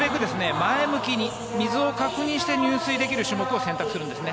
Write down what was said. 前向きに水を確認して入水できる種目を選択するんですね。